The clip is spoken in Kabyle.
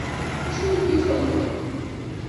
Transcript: D acu ay k-iqellqen?